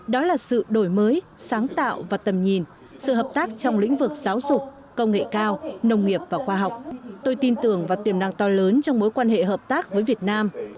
đó là sự đổi mới sáng tạo và tầm nhìn sự hợp tác trong lĩnh vực giáo dục công nghệ cao nông nghiệp và khoa học tôi tin tưởng vào tiềm năng to lớn trong mối quan hệ hợp tác với việt nam